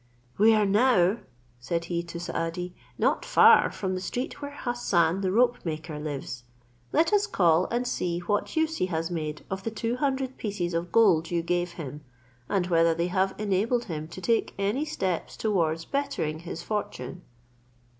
"We are now," said he to Saadi, "not far from the street where Hassan the ropemaker lives; let us call and see what use he has made of the two hundred pieces of gold you gave him, and whether they have enabled him to take any steps towards bettering his fortune."